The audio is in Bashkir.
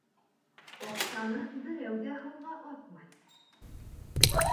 Аҡсаны берәү ҙә һыуға атмай.